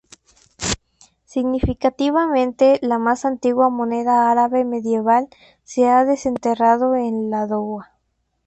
Significativamente, la más antigua moneda árabe medieval se ha desenterrado en Ládoga.